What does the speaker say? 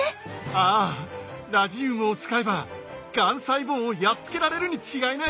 ああラジウムを使えばがん細胞をやっつけられるに違いない！